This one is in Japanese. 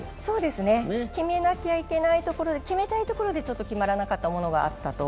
決めなきゃいけないところ、決めたいところでちょっと決まらなかったものがあったと。